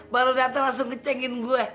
baru datang langsung ngecekin gue